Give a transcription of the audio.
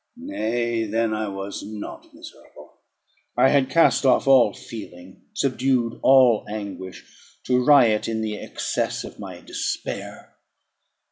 nay, then I was not miserable. I had cast off all feeling, subdued all anguish, to riot in the excess of my despair.